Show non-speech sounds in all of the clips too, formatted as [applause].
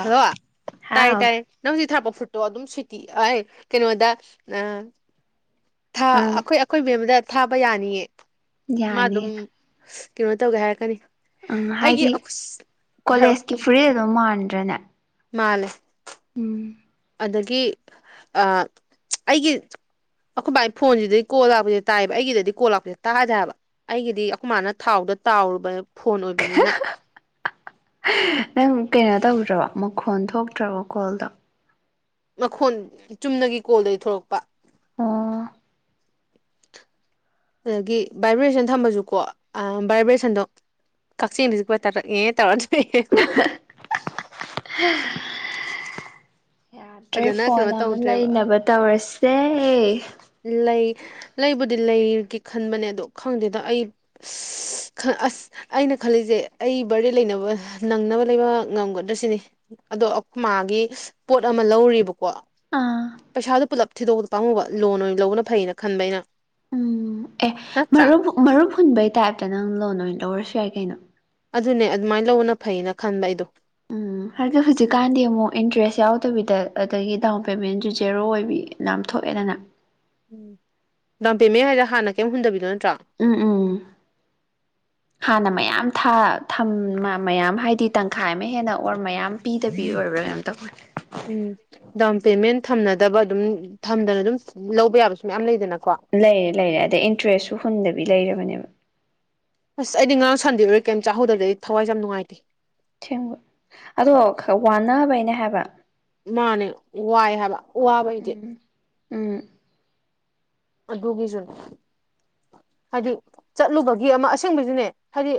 hello ꯇꯥꯏ ꯑꯪ ꯇꯥꯏ ꯅꯪꯒꯤ ꯊꯥꯔꯛꯄ ꯐꯨꯔꯤꯠꯇꯣ ꯑꯗꯨꯝ ꯁꯦꯇꯤ ꯑꯥꯏ ꯀꯩꯅꯣꯗ ꯑꯩꯈꯣꯏ ꯑꯩꯈꯣꯏ ꯃꯦꯝ ꯑꯃꯗ ꯊꯥꯕ ꯌꯥꯅꯤꯌꯦ ꯃꯥ ꯑꯗꯨꯝ ꯌꯥꯅꯤ ꯑ ꯀꯩꯅꯣ ꯇꯧꯒꯦ ꯍꯥꯏꯔꯛꯀꯅꯤ ꯎꯝ ꯑꯩꯒꯤ ꯍꯥꯏꯗꯤ ꯍꯥꯏꯔꯛꯑꯣ ꯀꯣꯂꯦꯖꯀꯤ ꯐꯨꯔꯤꯠ ꯑꯗꯨꯝ ꯃꯥꯟꯗ꯭ꯔꯅꯦ ꯃꯥꯂꯦ ꯎꯝ ꯑꯗꯒꯤ ꯑ ꯑꯩꯒꯤ ꯑꯩꯈꯣꯏ ꯕꯥ ꯐꯣꯟꯁꯤꯗꯗꯤ ꯀꯣꯜ ꯂꯥꯛꯄꯁꯦ ꯇꯥꯏꯑꯕ ꯑꯩꯒꯤꯗꯗꯤ ꯀꯣꯜ ꯂꯥꯛꯄꯁꯦ ꯇꯥꯗꯕ ꯑꯩꯒꯤꯗꯤ ꯑꯩꯈꯣꯏ ꯃꯥꯅ ꯊꯥꯎꯗ ꯇꯥꯎꯔꯨꯕ ꯐꯣꯟ ꯑꯣꯏꯕꯅꯤꯅ ꯅꯪ ꯀꯩꯅꯣ ꯇꯧꯗ꯭ꯔꯕꯣ ꯃꯈꯣꯟ ꯊꯣꯛꯇ꯭ꯔꯕꯣ ꯀꯣꯜꯗꯣ ꯃꯈꯣꯟ ꯆꯨꯝꯅꯒꯤ ꯀꯣꯜꯗꯗꯤ ꯊꯣꯛꯂꯛꯄ ꯑꯥ ꯑꯗꯒꯤ ꯚꯥꯏꯕ꯭ꯔꯦꯁꯟ ꯊꯝꯕꯁꯨꯀꯣ ꯑꯥ ꯚꯥꯏꯕ꯭ꯔꯦꯁꯟꯗꯣ ꯀꯛꯆꯦꯡꯄ ꯇꯥꯞꯇ ꯑꯦ ꯇꯧꯔ ꯇꯣꯛꯑꯦ ꯍ [unintelligible] [unintelligible] ꯗ꯭ꯔꯦ ꯐꯖꯅ ꯐꯣꯟ ꯀꯩꯅꯣ ꯑꯃ ꯇꯧꯗ꯭ꯔꯦꯕ ꯂꯩꯅꯕ ꯇꯧꯔꯁꯦ ꯂꯩ ꯂꯩꯕꯨꯗꯤ ꯂꯩꯒꯦ ꯈꯟꯕꯅꯦ ꯑꯗꯣ ꯈꯪꯗꯦꯗ ꯑꯩ [unintelligible] ꯑꯩꯅ ꯈꯜꯂꯤꯁꯦ ꯑꯩ ꯕꯥꯔꯗꯦ ꯂꯩꯅꯕ ꯅꯪꯅꯕ ꯂꯩꯕ ꯉꯝꯒꯗ꯭ꯔꯁꯤꯅꯦ ꯑꯗꯣ ꯑꯩꯈꯣꯏꯃꯥꯒꯤ ꯄꯣꯠ ꯑꯃ ꯂꯧꯔꯤꯕꯀꯣ ꯑꯥ ꯄꯩꯁꯥꯗꯨ ꯄꯨꯂꯞ ꯊꯤꯗꯣꯛꯇ ꯄꯥꯝꯃꯨꯕ ꯂꯣꯟ ꯑꯣꯏꯅ ꯂꯧꯕꯅ ꯐꯩꯅ ꯈꯟꯕ ꯑꯩꯅ ꯎꯝ ꯑꯦ ꯅꯠꯇ꯭ꯔꯥ ꯃꯔꯨꯞ ꯃꯔꯨꯞ ꯍꯨꯟꯕꯩ ꯇꯥꯏꯞꯇ ꯅꯪ ꯂꯣꯟ ꯑꯣꯏꯅ ꯂꯧꯔꯁꯨ ꯌꯥꯏ ꯀꯩꯅꯣ ꯑꯗꯨꯅꯦ ꯑꯗꯨꯃꯥꯏ ꯂꯧꯕꯅ ꯐꯩꯅ ꯈꯟꯕ ꯑꯩꯗꯣ ꯎꯝ ꯍꯧꯖꯤꯛꯀꯥꯟꯗꯤ ꯑꯃꯨꯛ ꯏꯟꯇ꯭ꯔꯦꯁ ꯌꯥꯎꯗꯕꯤꯗ ꯑꯗꯒꯤ ꯗꯥꯎꯟ ꯄꯦꯃꯦꯟꯁꯨ ꯖꯦꯔꯣ ꯑꯣꯏꯕꯤ ꯌꯥꯝ ꯊꯣꯛꯑꯦꯗꯅ ꯎꯝ ꯗꯥꯎꯟ ꯄꯦꯃꯦꯟ ꯍꯥꯏꯁꯦ ꯍꯥꯟꯅ ꯀꯩꯝ ꯍꯨꯗꯕꯤꯗꯣ ꯅꯠꯇ꯭ꯔꯣ ꯎꯝ ꯎꯝ ꯍꯥꯟꯅ ꯃꯌꯥꯝ ꯊꯥ ꯊꯝ ꯃꯌꯥꯝ ꯍꯥꯏꯗꯤ ꯇꯪꯈꯥꯏ ꯑꯃ ꯍꯦꯟꯅ ꯑꯣꯔ ꯃꯌꯥꯝ ꯄꯤꯗꯕꯤ ꯑꯣꯏꯕ꯭ꯔꯥ ꯀꯩꯅꯣꯝ ꯇꯧꯕꯅꯦ ꯎꯝ ꯗꯥꯎꯟ ꯄꯦꯃꯦꯟꯠ ꯊꯝꯅꯗꯕ ꯑꯗꯨꯝ ꯊꯝꯗꯅ ꯑꯗꯨꯝ ꯂꯧꯕ ꯌꯥꯕꯁꯨ ꯃꯌꯥꯝ ꯂꯩꯗꯅꯀꯣ ꯂꯩꯔꯦ ꯂꯩꯔꯦ ꯑꯗꯩ ꯏꯟꯇꯔꯦꯁꯁꯨ ꯍꯨꯟꯗꯕꯤ ꯂꯩꯔꯕꯅꯦꯕ ꯑꯁ ꯑꯩꯗꯤ ꯉꯔꯥꯡ ꯁꯟꯗꯦ ꯑꯣꯏꯔ ꯀꯩꯝ ꯆꯥꯍꯧꯗꯁꯥ ꯑꯩ ꯊꯋꯥꯏꯁꯦ ꯌꯥꯝ ꯅꯨꯡꯉꯥꯏꯇꯦ ꯑꯁꯦꯡꯕ ꯑꯗꯣ ꯋꯥꯟꯅꯕꯩꯅꯦ ꯍꯥꯏꯕ ꯃꯥꯅꯦ ꯋꯥꯏ ꯍꯥꯏꯕ ꯋꯥꯕꯩꯗꯤ ꯎꯝ ꯎꯝ ꯑꯗꯨꯒꯤꯁꯨꯅꯦ ꯍꯥꯏꯗꯤ ꯆꯠꯂꯨꯕꯒꯤ ꯑꯃ ꯑꯁꯦꯡꯕꯩꯁꯨꯅꯦ ꯍꯥꯏꯗꯤ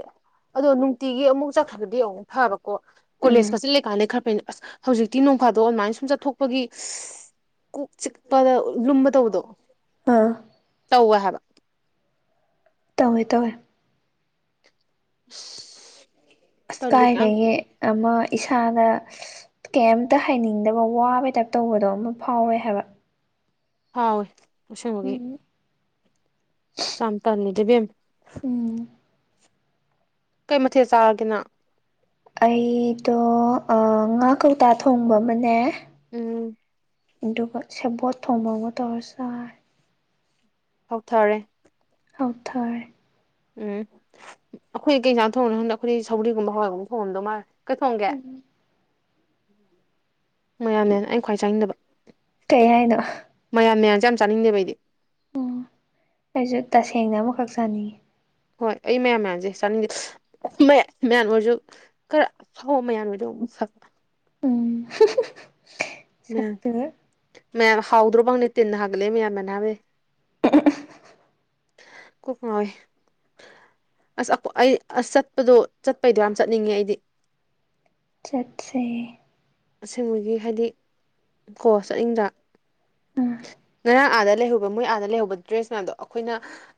ꯑꯗꯣ ꯅꯨꯡꯇꯤꯒꯤ ꯑꯃꯨꯛ ꯆꯠꯈ꯭ꯔꯒꯗꯤ ꯑꯃꯨꯛ ꯐꯕꯀꯣ ꯎꯝ ꯀꯣꯂꯦꯖ ꯈꯥꯆꯠ ꯂꯩꯀꯥꯟꯗ ꯈꯔ ꯐꯩ ꯑꯁ ꯍꯧꯖꯤꯛꯇꯤ ꯅꯣꯡꯐꯥꯗꯣ ꯑꯗꯨꯃꯥꯏꯅ ꯁꯨꯝ ꯆꯠꯊꯣꯛꯄꯒꯤ ꯀꯣꯛ ꯆꯤꯛꯄꯗ ꯂꯨꯝꯕ ꯇꯧꯕꯗꯣ ꯑꯥ ꯇꯧꯋꯦ ꯍꯥꯏꯕ ꯇꯧꯋꯦ ꯇꯧꯋꯦ ꯑ꯭ꯁ ꯑꯁꯀꯥꯏꯗꯒꯤ ꯑꯃ ꯏꯁꯥꯗ ꯀꯩꯝꯇ ꯍꯥꯏꯅꯤꯡꯗꯕ ꯋꯥꯕꯩ ꯇꯥꯏꯞ ꯇꯧꯕꯗꯣ ꯑꯃ ꯐꯥꯎꯋꯦ ꯍꯥꯏꯕ ꯍꯥꯎꯋꯦ ꯑꯁꯦꯡꯕꯒꯤ ꯎꯝ ꯌꯥꯝ ꯇꯜꯂꯦꯗ ꯏꯕꯦꯝꯃ ꯎꯝ ꯀꯩ ꯃꯊꯦꯜ ꯆꯥꯔꯒꯦ ꯅꯪ ꯑꯩꯗꯣ ꯉꯥ ꯀꯧꯇꯥ ꯊꯣꯡꯕ ꯑꯃꯅꯦ ꯎꯝ ꯑꯗꯨꯒ ꯁꯦꯕꯣꯠ ꯊꯣꯡꯕ ꯑꯃ ꯇꯧꯔ ꯆꯥꯏ ꯍꯧꯊꯔꯦ ꯍꯧꯎꯊꯔꯦ ꯎꯝ ꯑꯩꯈꯣꯏꯗꯤ ꯀꯩꯖꯥꯡꯅ ꯊꯣꯡꯉꯝꯗꯣꯏꯅꯣ ꯈꯪꯗ ꯑꯩꯈꯣꯏꯗꯤ ꯁꯧ꯭ꯔꯤꯒꯨꯝꯕ ꯍꯋꯥꯏꯒꯨꯝꯕ ꯊꯣꯡꯉꯝꯗꯧ ꯃꯥꯜꯂꯦ ꯀꯩ ꯊꯣꯡꯒꯦ ꯎꯝ ꯃꯌꯥꯟ ꯃꯌꯥꯟ ꯑꯩꯅ ꯈ꯭ꯋꯥꯏ ꯆꯥꯅꯤꯡꯗꯕ ꯀꯩ ꯍꯥꯏꯅꯣ ꯃꯌꯥꯟ ꯃꯌꯥꯟꯁꯦ ꯌꯥꯝ ꯆꯥꯅꯤꯡꯗꯦꯕ ꯑꯩꯗꯤ ꯎꯝ ꯑꯩꯁꯨ ꯇꯁꯦꯡꯅ ꯑꯃꯈꯛ ꯆꯥꯅꯤꯡꯉꯤ ꯍꯣꯏ ꯑꯩ ꯃꯌꯥꯝ ꯃꯌꯥꯝꯁꯦ ꯆꯥꯅꯤꯡꯁꯦ ꯃꯌꯥꯝ ꯑꯣꯏꯔꯁꯨ ꯈꯔ ꯑꯍꯥꯎꯕ ꯃꯌꯥꯝ ꯑꯣꯏꯗꯤ ꯑꯃꯨꯛ ꯐꯕ ꯎꯝ ꯍꯝ [unintelligible] ꯃ ꯃ ꯍꯥꯎꯗꯔꯣ ꯐꯪꯅꯦ ꯇꯤꯟꯅ ꯍꯒꯂ ꯃꯌꯥꯝ ꯃꯅ ꯎꯝꯎꯝꯎꯝ ꯀꯣꯛ ꯉꯥꯎꯏ ꯑꯁ ꯑꯩ ꯑꯁ ꯆꯠꯄꯗꯣ ꯆꯠꯄꯩꯗꯣ ꯌꯥꯝ ꯆꯠꯅꯤꯡꯉꯦ ꯑꯩꯗꯤ ꯆꯠꯁꯦ ꯑꯁꯦꯡꯕꯒꯤ ꯍꯥꯏꯗꯤ ꯀꯣ ꯆꯠꯅꯤꯡꯗ ꯑꯥ ꯉꯔꯥꯡ ꯑꯥꯗ ꯂꯩꯍꯧ ꯃꯣꯏ ꯑꯥꯗ ꯂꯩꯍꯧꯕ ꯗ꯭ꯔꯦꯁ ꯃꯌꯥꯝꯗꯣ ꯑꯩꯈꯣꯏꯅ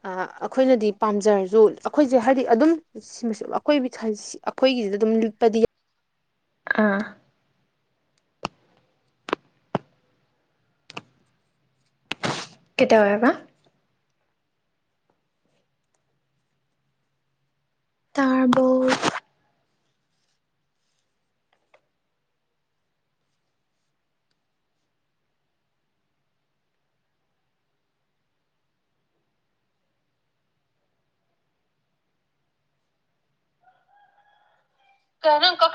ꯑ ꯑꯩꯈꯣꯏꯅꯗꯤ ꯄꯥꯝꯖꯔꯁꯨ ꯑꯩꯈꯣꯏꯁꯦ ꯍꯥꯏꯗꯤ ꯑꯗꯨꯝ ꯁꯤꯃꯁꯨ ꯑꯩꯈꯣꯏ ꯑꯩꯈꯣꯏꯒꯤꯁꯤꯗ ꯑꯗꯨꯝ ꯂꯤꯛꯄꯗꯤ ꯑꯥ ꯀꯩꯗꯧꯋꯦꯕ ꯇꯥꯔꯕꯣ ꯀꯦꯅ ꯀ